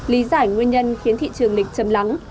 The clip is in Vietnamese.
lý giải nguyên nhân khiến thị trường lịch chầm lắng